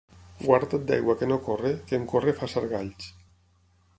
Guarda't d'aigua que no corre, que en córrer fa sargalls.